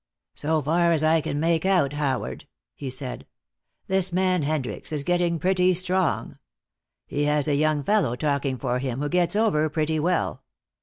"So far as I can make out, Howard," he said, "this man Hendricks is getting pretty strong. He has a young fellow talking for him who gets over pretty well.